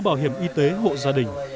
bảo hiểm y tế hộ gia đình